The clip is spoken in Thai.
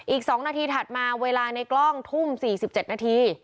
อีก๒นาทีถัดมาเวลาในกล้องทุ่ม๔๗นาที